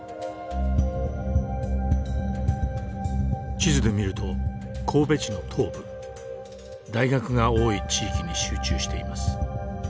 地図で見ると神戸市の東部大学が多い地域に集中しています。